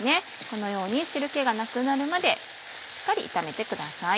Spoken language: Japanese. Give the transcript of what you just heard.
このように汁気がなくなるまでしっかり炒めてください。